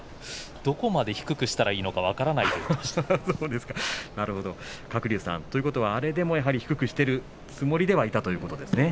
どこまで低くしたらいいのか分からないということを鶴竜さん、あれでも低くしているつもりではあったんですね。